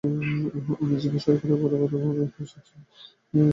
ও নিজেকে সরকারের থেকে বড় বানাতে চাচ্ছে, যা স্পষ্টতই ওর সামর্থ্যের বাইরে।